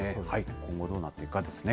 今後、どうなっていくかですね。